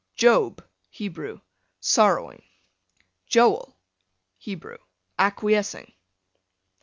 Job, Hebrew, sorrowing. Joel, Hebrew, acquiescing.